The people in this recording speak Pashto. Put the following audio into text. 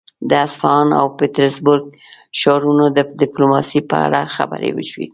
د اصفهان او پيترزبورګ ښارونو د ډيپلوماسي په اړه خبرې وشوې.